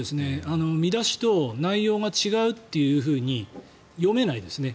見出しと内容が違うっていうふうに読めないですね。